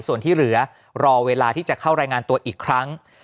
ส่วนที่เหลือรอเวลาที่จะเข้ารายงานตัวอีกครั้ง